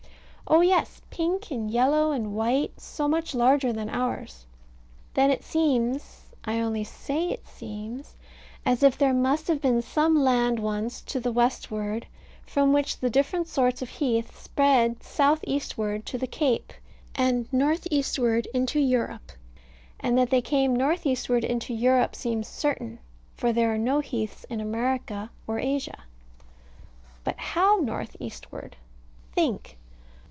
Oh yes, pink, and yellow, and white; so much larger than ours. Then it seems (I only say it seems) as if there must have been some land once to the westward, from which the different sorts of heath spread south eastward to the Cape, and north eastward into Europe. And that they came north eastward into Europe seems certain; for there are no heaths in America or Asia. But how north eastward? Think.